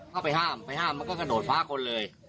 เข้าไปห้ามไปห้ามมันก็กระโดดฟ้าคนเลย